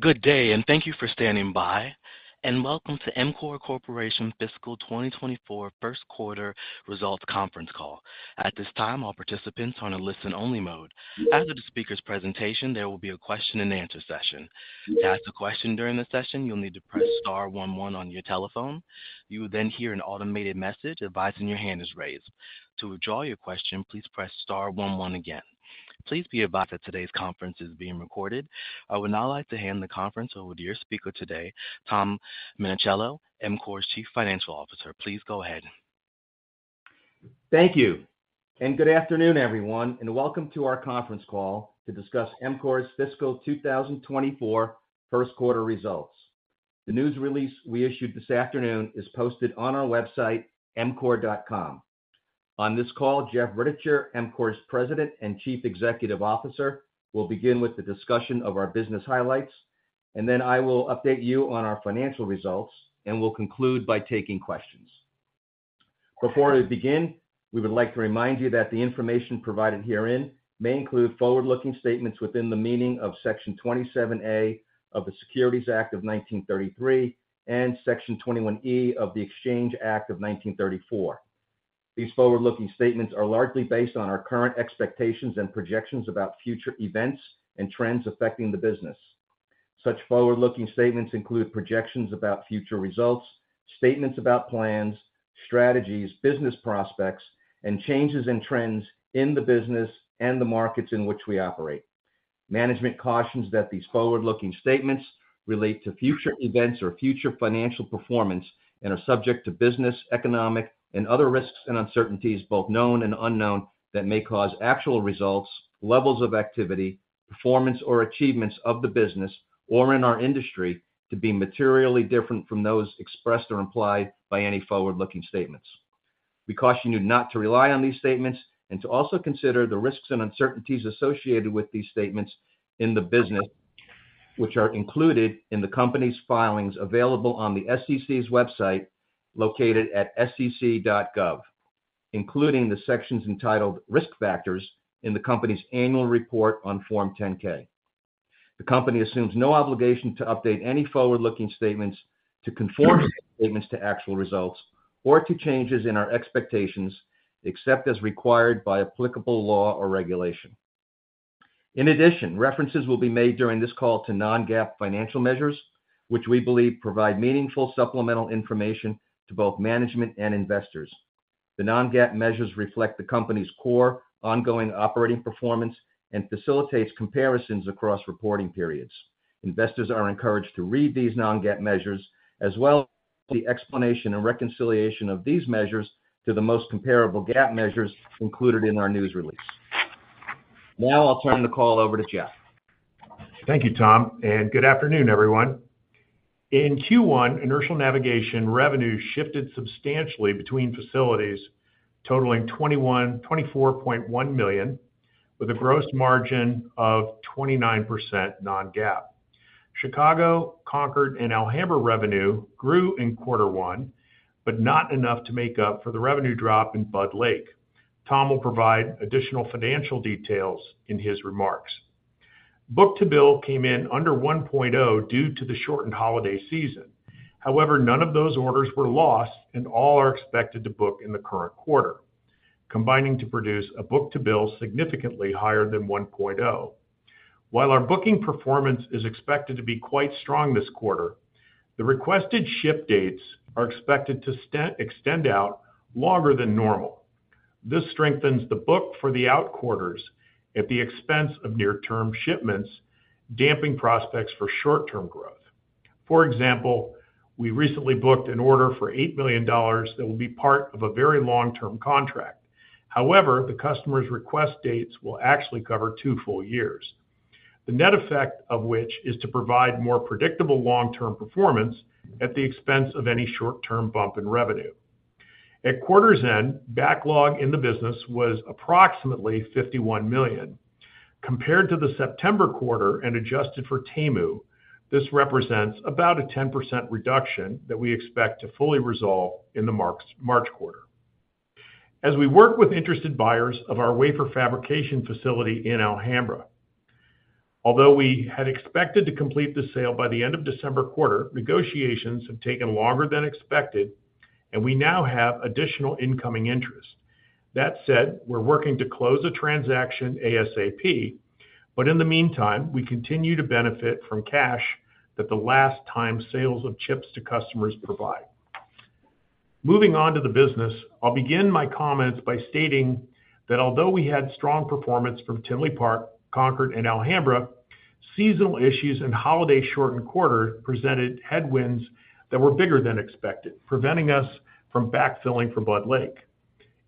Good day, and thank you for standing by. Welcome to EMCORE Corporation Fiscal 2024 First Quarter Results Conference Call. At this time, all participants are in a listen-only mode. After the speaker's presentation, there will be a question-and-answer session. To ask a question during the session, you'll need to press star one one on your telephone. You will then hear an automated message advising your hand is raised. To withdraw your question, please press star one one again. Please be advised that today's conference is being recorded. I would now like to hand the conference over to your speaker today, Tom Minichiello, EMCORE's Chief Financial Officer. Please go ahead. Thank you. Good afternoon, everyone, and welcome to our conference call to discuss EMCORE's Fiscal 2024 First Quarter Results. The news release we issued this afternoon is posted on our website, emcore.com. On this call, Jeff Rittichier, EMCORE's President and Chief Executive Officer, will begin with the discussion of our business highlights, and then I will update you on our financial results, and we'll conclude by taking questions. Before we begin, we would like to remind you that the information provided herein may include forward-looking statements within the meaning of Section 27A of the Securities Act of 1933 and Section 21E of the Exchange Act of 1934. These forward-looking statements are largely based on our current expectations and projections about future events and trends affecting the business. Such forward-looking statements include projections about future results, statements about plans, strategies, business prospects, and changes and trends in the business and the markets in which we operate. Management cautions that these forward-looking statements relate to future events or future financial performance and are subject to business, economic, and other risks and uncertainties, both known and unknown, that may cause actual results, levels of activity, performance, or achievements of the business or in our industry to be materially different from those expressed or implied by any forward-looking statements. We caution you not to rely on these statements and to also consider the risks and uncertainties associated with these statements in the business, which are included in the company's filings available on the SEC's website located at sec.gov, including the sections entitled Risk Factors in the company's annual report on Form 10-K. The company assumes no obligation to update any forward-looking statements to conform statements to actual results or to changes in our expectations, except as required by applicable law or regulation. In addition, references will be made during this call to non-GAAP financial measures, which we believe provide meaningful supplemental information to both management and investors. The non-GAAP measures reflect the company's core ongoing operating performance and facilitate comparisons across reporting periods. Investors are encouraged to read these non-GAAP measures, as well as the explanation and reconciliation of these measures to the most comparable GAAP measures included in our news release. Now I'll turn the call over to Jeff. Thank you, Tom, and good afternoon, everyone. In Q1, inertial navigation revenue shifted substantially between facilities, totaling $24.1 million, with a gross margin of 29% non-GAAP. Chicago, Concord, and Alhambra revenue grew in Quarter One, but not enough to make up for the revenue drop in Budd Lake. Tom will provide additional financial details in his remarks. Book-to-bill came in under 1.0 due to the shortened holiday season. However, none of those orders were lost, and all are expected to book in the current quarter, combining to produce a book-to-bill significantly higher than 1.0. While our booking performance is expected to be quite strong this quarter, the requested ship dates are expected to extend out longer than normal. This strengthens the book for the out quarters at the expense of near-term shipments, damping prospects for short-term growth. For example, we recently booked an order for $8 million that will be part of a very long-term contract. However, the customer's request dates will actually cover two full years, the net effect of which is to provide more predictable long-term performance at the expense of any short-term bump in revenue. At quarter's end, backlog in the business was approximately $51 million. Compared to the September quarter and adjusted for TAMU, this represents about a 10% reduction that we expect to fully resolve in the March quarter. As we work with interested buyers of our wafer fabrication facility in Alhambra, although we had expected to complete the sale by the end of December quarter, negotiations have taken longer than expected, and we now have additional incoming interest. That said, we're working to close a transaction ASAP, but in the meantime, we continue to benefit from cash that the last time sales of chips to customers provide. Moving on to the business, I'll begin my comments by stating that although we had strong performance from Tinley Park, Concord, and Alhambra, seasonal issues and holiday-shortened quarter presented headwinds that were bigger than expected, preventing us from backfilling for Budd Lake.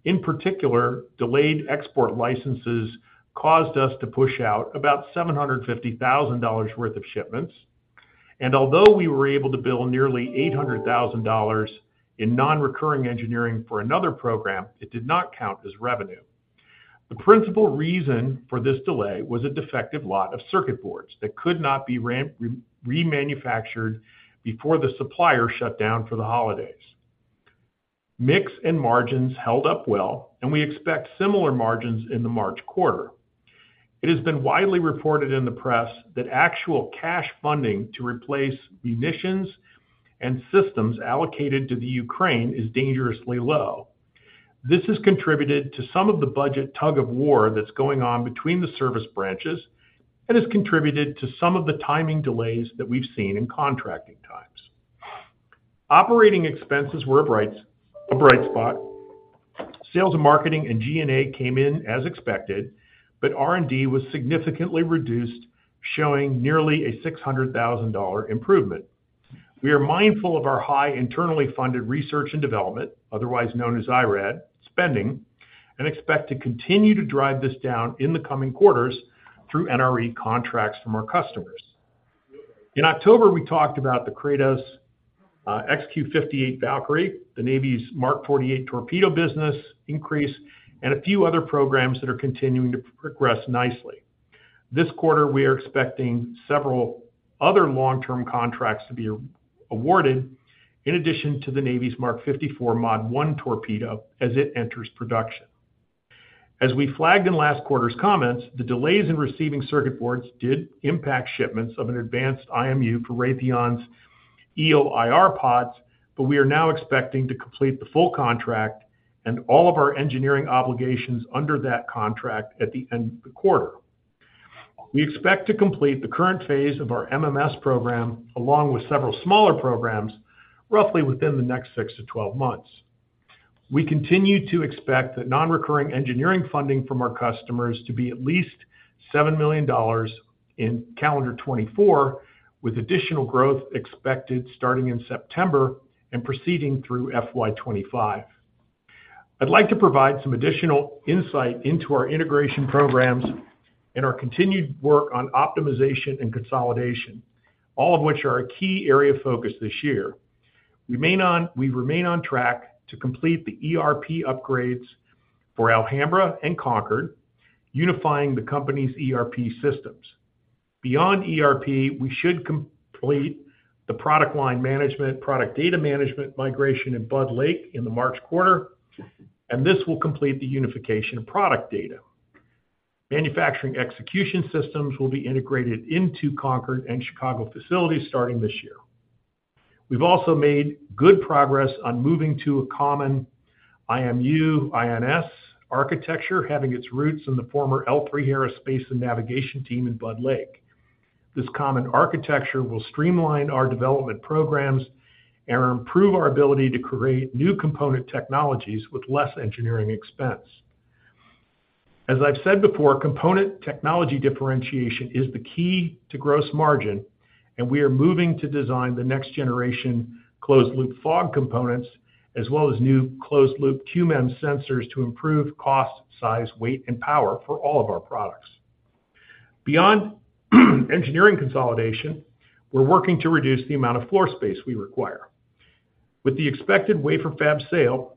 In particular, delayed export licenses caused us to push out about $750,000 worth of shipments. Although we were able to bill nearly $800,000 in non-recurring engineering for another program, it did not count as revenue. The principal reason for this delay was a defective lot of circuit boards that could not be remanufactured before the supplier shut down for the holidays. Mix and margins held up well, and we expect similar margins in the March quarter. It has been widely reported in the press that actual cash funding to replace munitions and systems allocated to the Ukraine is dangerously low. This has contributed to some of the budget tug-of-war that's going on between the service branches and has contributed to some of the timing delays that we've seen in contracting times. Operating expenses were a bright spot. Sales and marketing and G&A came in as expected, but R&D was significantly reduced, showing nearly a $600,000 improvement. We are mindful of our high internally funded research and development, otherwise known as IR&D, spending, and expect to continue to drive this down in the coming quarters through NRE contracts from our customers. In October, we talked about the Kratos XQ-58 Valkyrie, the Navy's Mark 48 Torpedo business increase, and a few other programs that are continuing to progress nicely. This quarter, we are expecting several other long-term contracts to be awarded, in addition to the Navy's Mark 54 Mod 1 Torpedo as it enters production. As we flagged in last quarter's comments, the delays in receiving circuit boards did impact shipments of an advanced IMU for Raytheon's EO/IR Pods, but we are now expecting to complete the full contract and all of our engineering obligations under that contract at the end of the quarter. We expect to complete the current phase of our MMS program, along with several smaller programs, roughly within the next 6-12 months. We continue to expect that non-recurring engineering funding from our customers to be at least $7 million in Calendar 2024, with additional growth expected starting in September and proceeding through FY 2025. I'd like to provide some additional insight into our integration programs and our continued work on optimization and consolidation, all of which are a key area of focus this year. We remain on track to complete the ERP upgrades for Alhambra and Concord, unifying the company's ERP systems. Beyond ERP, we should complete the product line management, product data management migration in Budd Lake in the March quarter, and this will complete the unification of product data. Manufacturing execution systems will be integrated into Concord and Chicago facilities starting this year. We've also made good progress on moving to a common IMU/INS architecture, having its roots in the former L3Harris Space and Navigation team in Budd Lake. This common architecture will streamline our development programs and improve our ability to create new component technologies with less engineering expense. As I've said before, component technology differentiation is the key to gross margin, and we are moving to design the next generation closed-loop FOG components, as well as new closed-loop QMEMS sensors to improve cost, size, weight, and power for all of our products. Beyond engineering consolidation, we're working to reduce the amount of floor space we require. With the expected wafer fab sale,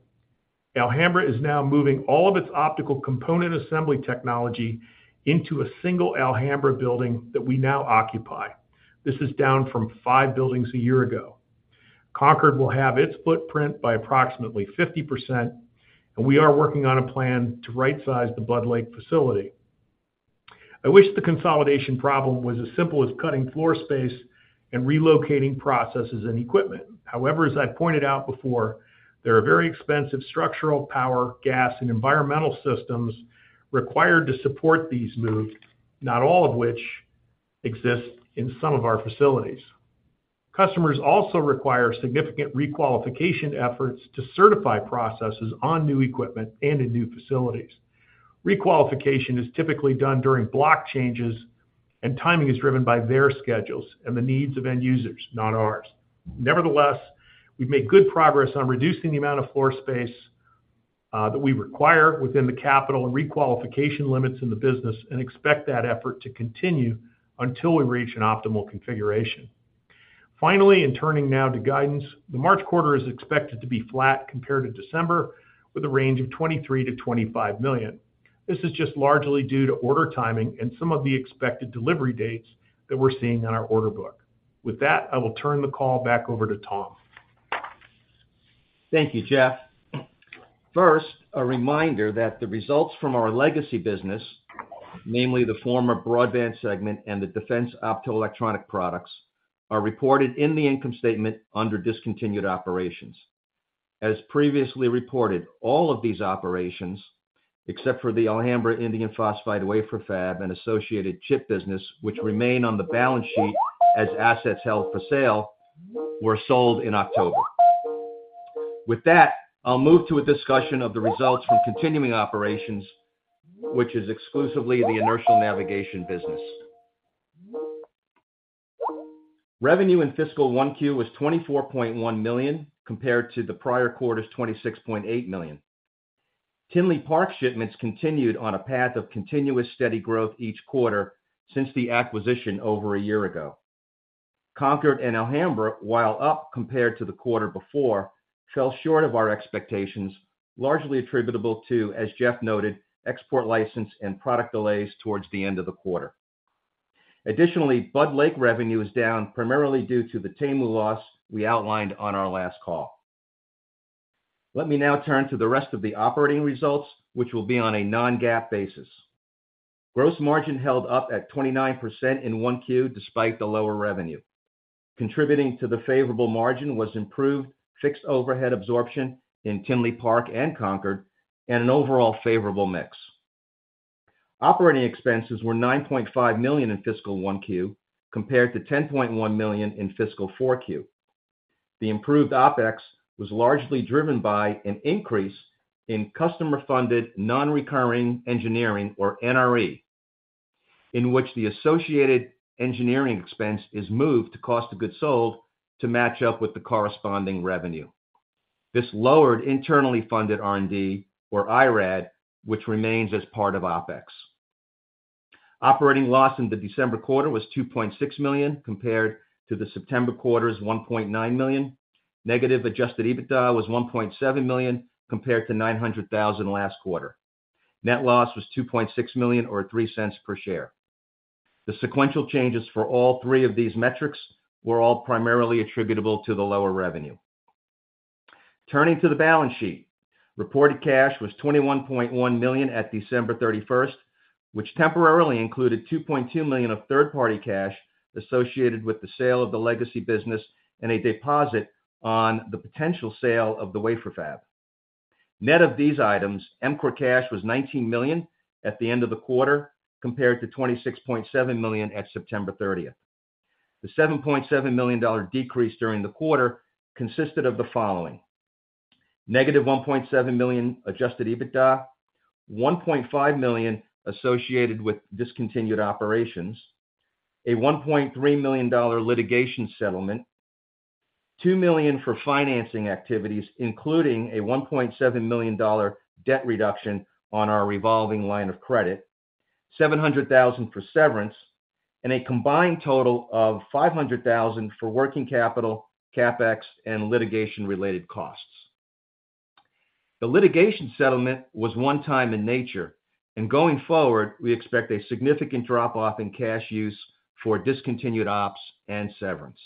Alhambra is now moving all of its optical component assembly technology into a single Alhambra building that we now occupy. This is down from five buildings a year ago. Concord will halve its footprint by approximately 50%, and we are working on a plan to right-size the Budd Lake facility. I wish the consolidation problem was as simple as cutting floor space and relocating processes and equipment. However, as I've pointed out before, there are very expensive structural, power, gas, and environmental systems required to support these moves, not all of which exist in some of our facilities. Customers also require significant requalification efforts to certify processes on new equipment and in new facilities. Requalification is typically done during block changes, and timing is driven by their schedules and the needs of end users, not ours. Nevertheless, we've made good progress on reducing the amount of floor space that we require within the capital and requalification limits in the business and expect that effort to continue until we reach an optimal configuration. Finally, and turning now to guidance, the March quarter is expected to be flat compared to December, with a range of $23 million-$25 million. This is just largely due to order timing and some of the expected delivery dates that we're seeing on our order book. With that, I will turn the call back over to Tom. Thank you, Jeff. First, a reminder that the results from our legacy business, namely the former broadband segment and the defense optoelectronic products, are reported in the income statement under discontinued operations. As previously reported, all of these operations, except for the Alhambra indium phosphide wafer fab and associated chip business, which remain on the balance sheet as assets held for sale, were sold in October. With that, I'll move to a discussion of the results from continuing operations, which is exclusively the inertial navigation business. Revenue in Fiscal 1Q was $24.1 million compared to the prior quarter's $26.8 million. Tinley Park shipments continued on a path of continuous steady growth each quarter since the acquisition over a year ago. Concord and Alhambra, while up compared to the quarter before, fell short of our expectations, largely attributable to, as Jeff noted, export license and product delays towards the end of the quarter. Additionally, Budd Lake revenue is down primarily due to the TAMU loss we outlined on our last call. Let me now turn to the rest of the operating results, which will be on a non-GAAP basis. Gross margin held up at 29% in 1Q despite the lower revenue. Contributing to the favorable margin was improved fixed overhead absorption in Tinley Park and Concord and an overall favorable mix. Operating expenses were $9.5 million in Fiscal 1Q compared to $10.1 million in Fiscal 4Q. The improved OpEx was largely driven by an increase in customer-funded non-recurring engineering, or NRE, in which the associated engineering expense is moved to cost of goods sold to match up with the corresponding revenue. This lowered internally funded R&D, or IR&D, which remains as part of OpEx. Operating loss in the December quarter was $2.6 million compared to the September quarter's $1.9 million. Negative adjusted EBITDA was $1.7 million compared to $900,000 last quarter. Net loss was $2.6 million, or $0.03 per share. The sequential changes for all three of these metrics were all primarily attributable to the lower revenue. Turning to the balance sheet, reported cash was $21.1 million at December 31st, which temporarily included $2.2 million of third-party cash associated with the sale of the legacy business and a deposit on the potential sale of the wafer fab. Net of these items, EMCORE cash was $19 million at the end of the quarter compared to $26.7 million at September 30th. The $7.7 million decrease during the quarter consisted of the following: -$1.7 million adjusted EBITDA, $1.5 million associated with discontinued operations, a $1.3 million litigation settlement, $2 million for financing activities, including a $1.7 million debt reduction on our revolving line of credit, $700,000 for severance, and a combined total of $500,000 for working capital, CapEx, and litigation-related costs. The litigation settlement was one-time in nature, and going forward, we expect a significant drop-off in cash use for discontinued ops and severance.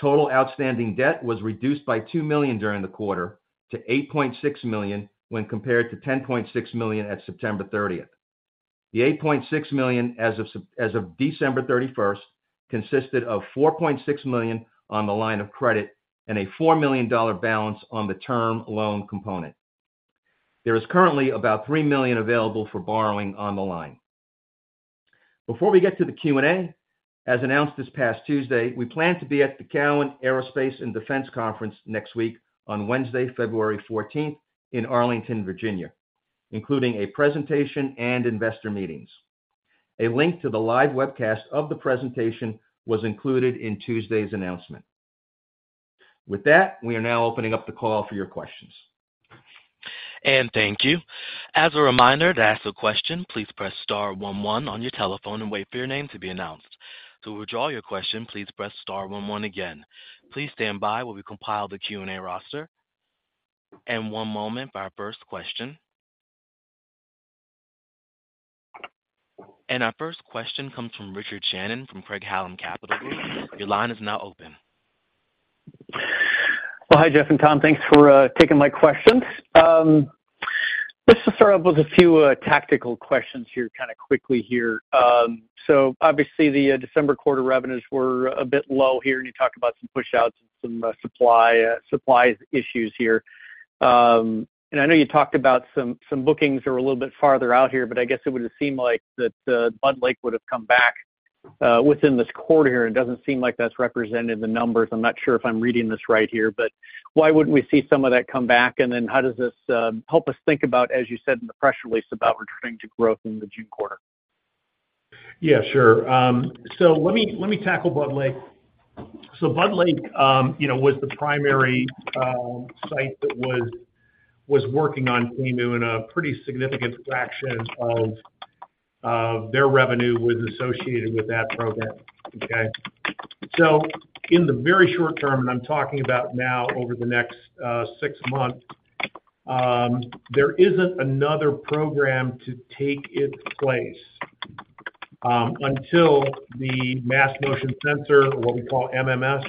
Total outstanding debt was reduced by $2 million during the quarter to $8.6 million when compared to $10.6 million at September 30th. The $8.6 million as of December 31st consisted of $4.6 million on the line of credit and a $4 million balance on the term loan component. There is currently about $3 million available for borrowing on the line. Before we get to the Q&A, as announced this past Tuesday, we plan to be at the Cowen Aerospace and Defense Conference next week on Wednesday, February 14th, in Arlington, Virginia, including a presentation and investor meetings. A link to the live webcast of the presentation was included in Tuesday's announcement. With that, we are now opening up the call for your questions. Thank you. As a reminder, to ask a question, please press star 11 on your telephone and wait for your name to be announced. To withdraw your question, please press star 11 again. Please stand by while we compile the Q&A roster. One moment for our first question. Our first question comes from Richard Shannon from Craig-Hallum Capital Group. Your line is now open. Well, hi, Jeff and Tom. Thanks for taking my questions. Just to start off with a few tactical questions here kind of quickly here. So obviously, the December quarter revenues were a bit low here, and you talked about some pushouts and some supply issues here. And I know you talked about some bookings that were a little bit farther out here, but I guess it would have seemed like that Budd Lake would have come back within this quarter here, and it doesn't seem like that's represented in the numbers. I'm not sure if I'm reading this right here, but why wouldn't we see some of that come back? And then how does this help us think about, as you said in the press release, about returning to growth in the June quarter? Yeah, sure. So let me tackle Budd Lake. So Budd Lake was the primary site that was working on TAMU, and a pretty significant fraction of their revenue was associated with that program, okay? So in the very short term, and I'm talking about now over the next 6 months, there isn't another program to take its place until the Mast Motion Sensor, or what we call MMS,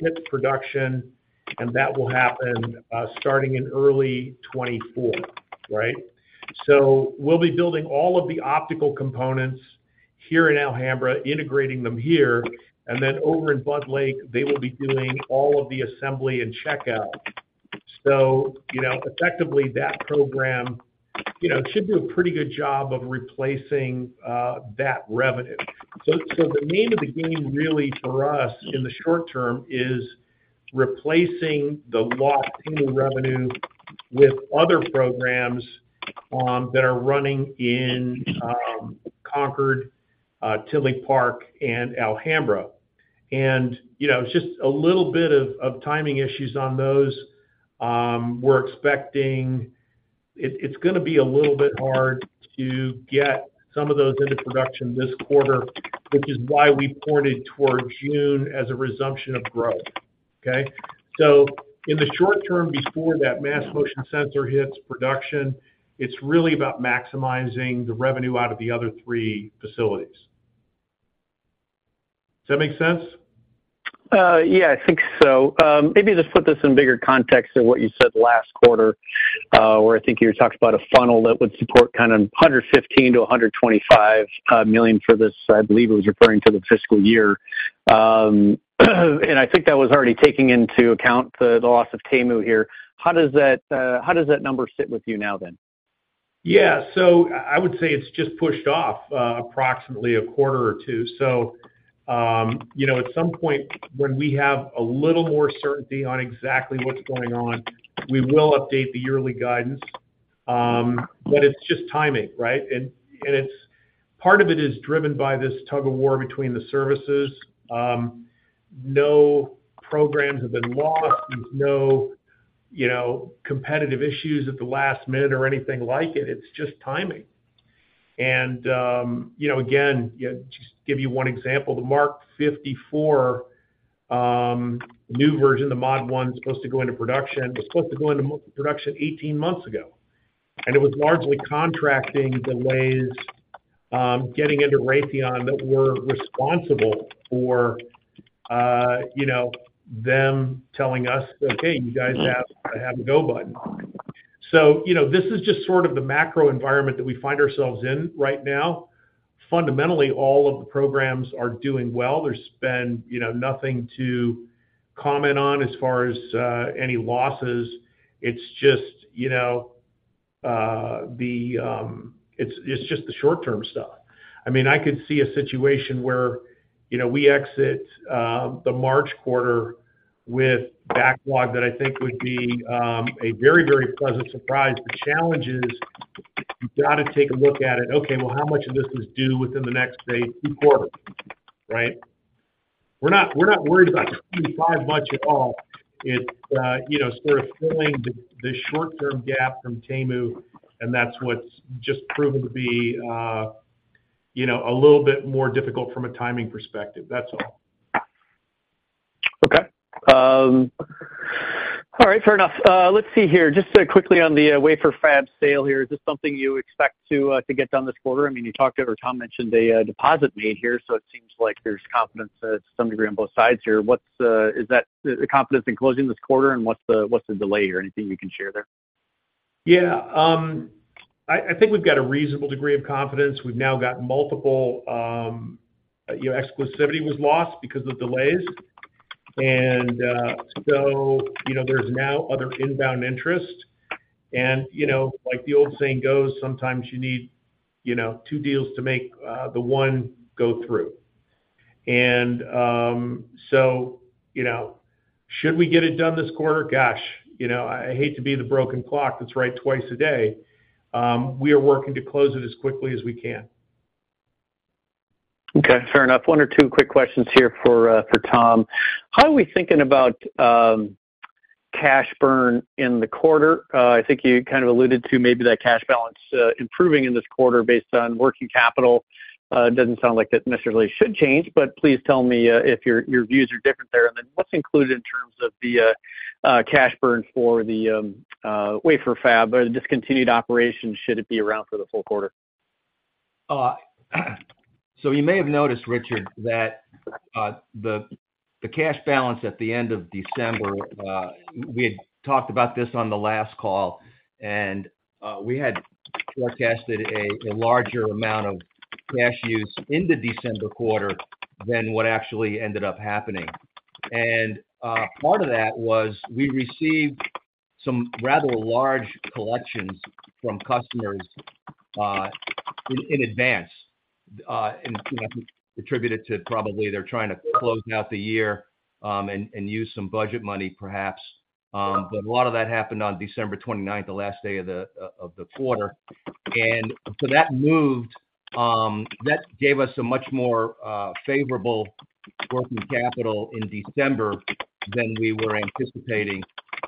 hits production, and that will happen starting in early 2024, right? So we'll be building all of the optical components here in Alhambra, integrating them here, and then over in Budd Lake, they will be doing all of the assembly and checkout. So effectively, that program should do a pretty good job of replacing that revenue. So the name of the game really for us in the short term is replacing the lost TAMU revenue with other programs that are running in Concord, Tinley Park, and Alhambra. And it's just a little bit of timing issues on those. We're expecting it's going to be a little bit hard to get some of those into production this quarter, which is why we pointed toward June as a resumption of growth, okay? So in the short term before that Mast Motion Sensor hits production, it's really about maximizing the revenue out of the other three facilities. Does that make sense? Yeah, I think so. Maybe just put this in bigger context to what you said last quarter, where I think you talked about a funnel that would support kind of $115 million-$125 million for this I believe it was referring to the fiscal year. And I think that was already taking into account the loss of TAMU here. How does that number sit with you now then? Yeah, so I would say it's just pushed off approximately a quarter or two. So at some point, when we have a little more certainty on exactly what's going on, we will update the yearly guidance. But it's just timing, right? And part of it is driven by this tug of war between the services. No programs have been lost. There's no competitive issues at the last minute or anything like it. It's just timing. And again, just to give you one example, the Mark 54 new version, the Mod 1, is supposed to go into production. It was supposed to go into production 18 months ago. And it was largely contracting delays getting into Raytheon that were responsible for them telling us, "Okay, you guys have a go button." So this is just sort of the macro environment that we find ourselves in right now. Fundamentally, all of the programs are doing well. There's been nothing to comment on as far as any losses. It's just the short-term stuff. I mean, I could see a situation where we exit the March quarter with backlog that I think would be a very, very pleasant surprise. The challenge is you've got to take a look at it, "Okay, well, how much of this is due within the next day, two quarters," right? We're not worried about 25 much at all. It's sort of filling the short-term gap from TAMU, and that's what's just proven to be a little bit more difficult from a timing perspective. That's all. Okay. All right, fair enough. Let's see here. Just quickly on the wafer fab sale here, is this something you expect to get done this quarter? I mean, you talked to or Tom mentioned a deposit made here, so it seems like there's confidence to some degree on both sides here. Is that the confidence in closing this quarter, and what's the delay here? Anything you can share there? Yeah. I think we've got a reasonable degree of confidence. We've now got multiple exclusivity was lost because of delays. And so there's now other inbound interest. And like the old saying goes, sometimes you need two deals to make the one go through. And so should we get it done this quarter? Gosh, I hate to be the broken clock that's right twice a day. We are working to close it as quickly as we can. Okay, fair enough. One or two quick questions here for Tom. How are we thinking about cash burn in the quarter? I think you kind of alluded to maybe that cash balance improving in this quarter based on working capital. It doesn't sound like that necessarily should change, but please tell me if your views are different there. And then what's included in terms of the cash burn for the wafer fab or the discontinued operations, should it be around for the full quarter? So you may have noticed, Richard, that the cash balance at the end of December we had talked about this on the last call, and we had forecasted a larger amount of cash use in the December quarter than what actually ended up happening. And part of that was we received some rather large collections from customers in advance, attributed to probably they're trying to close out the year and use some budget money, perhaps. But a lot of that happened on December 29th, the last day of the quarter. And so that moved. That gave us a much more favorable working capital in December than we were anticipating.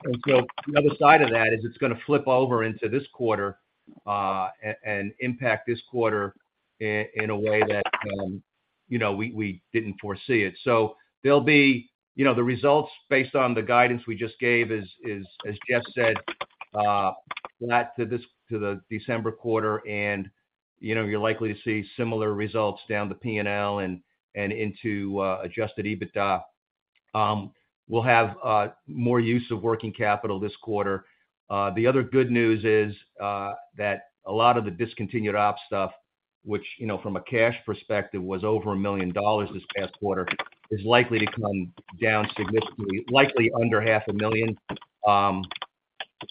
And so the other side of that is it's going to flip over into this quarter and impact this quarter in a way that we didn't foresee it. So there'll be the results based on the guidance we just gave, as Jeff said, to the December quarter, and you're likely to see similar results down the P&L and into Adjusted EBITDA. We'll have more use of working capital this quarter. The other good news is that a lot of the discontinued ops stuff, which from a cash perspective was over $1 million this past quarter, is likely to come down significantly, likely under $500,000,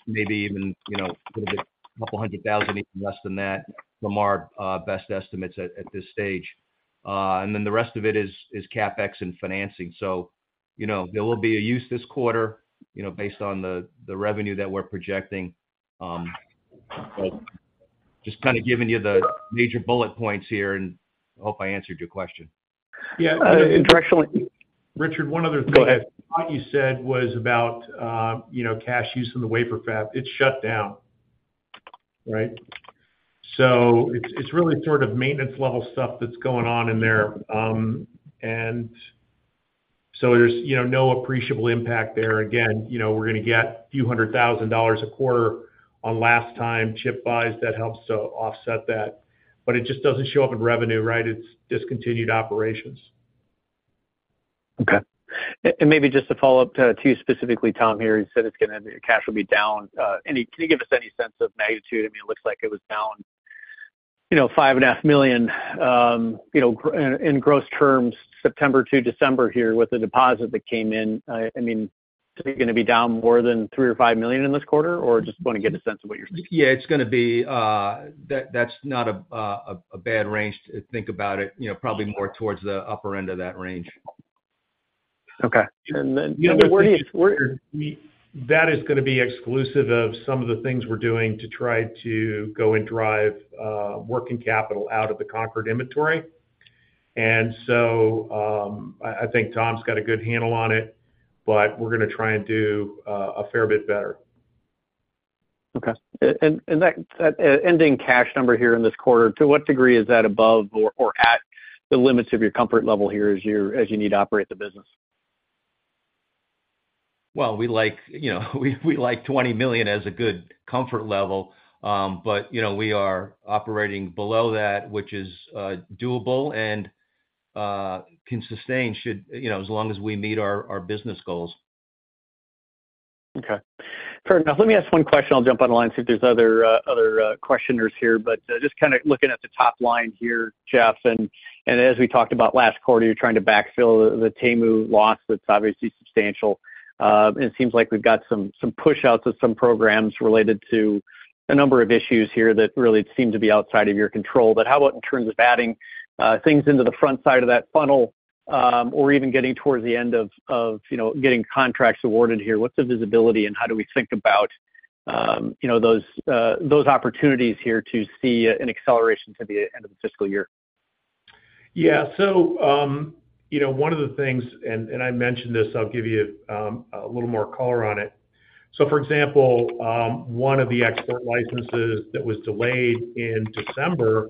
maybe even $200,000, even less than that from our best estimates at this stage. And then the rest of it is CapEx and financing. So there will be a use this quarter based on the revenue that we're projecting. Just kind of giving you the major bullet points here, and I hope I answered your question. Yeah, directionally. Richard, one other thing. Go ahead. What you said was about cash use in the wafer fab. It's shut down, right? So it's really sort of maintenance-level stuff that's going on in there. And so there's no appreciable impact there. Again, we're going to get $ a few hundred thousand a quarter on last-time chip buys that helps to offset that. But it just doesn't show up in revenue, right? It's discontinued operations. Okay. And maybe just to follow up to you specifically, Tom, here, you said it's going to be cash will be down. Can you give us any sense of magnitude? I mean, it looks like it was down $5.5 million in gross terms, September to December here, with the deposit that came in. I mean, is it going to be down more than $3 million or $5 million in this quarter, or just want to get a sense of what you're thinking? Yeah, it's going to be, that's not a bad range to think about it, probably more towards the upper end of that range. Okay. And then where do you? That is going to be exclusive of some of the things we're doing to try to go and drive working capital out of the Concord inventory. And so I think Tom's got a good handle on it, but we're going to try and do a fair bit better. Okay. And that ending cash number here in this quarter, to what degree is that above or at the limits of your comfort level here as you need to operate the business? Well, we like $20 million as a good comfort level, but we are operating below that, which is doable and can sustain as long as we meet our business goals. Okay. Fair enough. Let me ask one question. I'll jump on the line and see if there's other questioners here. But just kind of looking at the top line here, Jeff, and as we talked about last quarter, you're trying to backfill the TAMU loss that's obviously substantial. And it seems like we've got some pushouts of some programs related to a number of issues here that really seem to be outside of your control. But how about in terms of adding things into the front side of that funnel or even getting towards the end of getting contracts awarded here? What's the visibility, and how do we think about those opportunities here to see an acceleration to the end of the fiscal year? Yeah. So one of the things, and I mentioned this. I'll give you a little more color on it. So for example, one of the export licenses that was delayed in December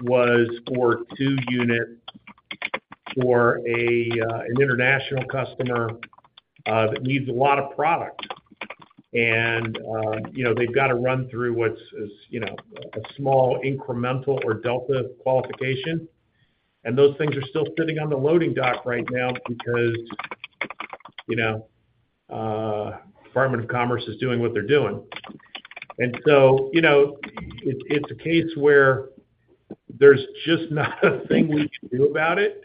was for two units for an international customer that needs a lot of product. And they've got to run through what's a small incremental or delta qualification. And those things are still sitting on the loading dock right now because the Department of Commerce is doing what they're doing. And so it's a case where there's just not a thing we can do about it.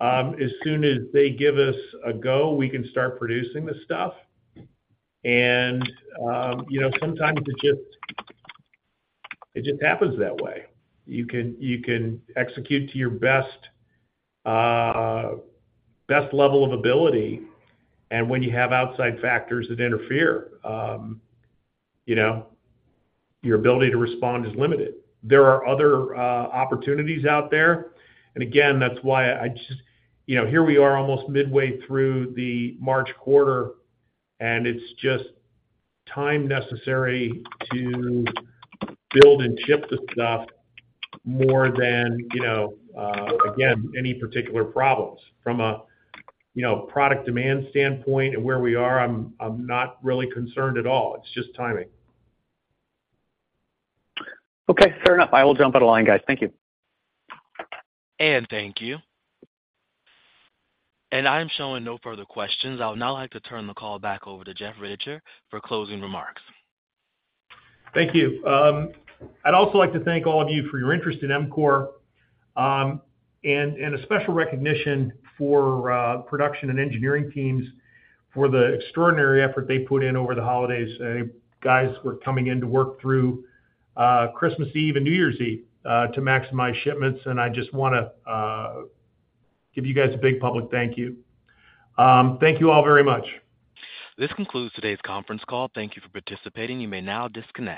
As soon as they give us a go, we can start producing the stuff. And sometimes it just happens that way. You can execute to your best level of ability, and when you have outside factors that interfere, your ability to respond is limited. There are other opportunities out there. Again, that's why I just here we are almost midway through the March quarter, and it's just time necessary to build and ship the stuff more than, again, any particular problems. From a product demand standpoint and where we are, I'm not really concerned at all. It's just timing. Okay, fair enough. I will jump out of line, guys. Thank you. Thank you. I'm showing no further questions. I would now like to turn the call back over to Jeff Rittichier for closing remarks. Thank you. I'd also like to thank all of you for your interest in EMCORE and a special recognition for production and engineering teams for the extraordinary effort they put in over the holidays. Guys were coming in to work through Christmas Eve and New Year's Eve to maximize shipments. I just want to give you guys a big public thank you. Thank you all very much. This concludes today's conference call. Thank you for participating. You may now disconnect.